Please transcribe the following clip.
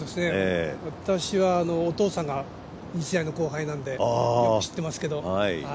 私はお父さんが日大の後輩なのでよく知ってますけど。